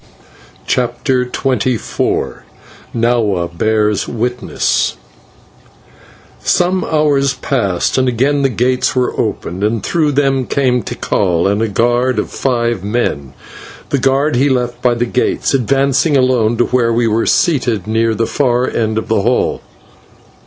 CHAPTER XXIV NAHUA BEARS WITNESS Some hours passed, and again the gates were opened, and through them came Tikal and a guard of five men. The guard he left by the gates, advancing alone to where we were seated at the far end of the hall.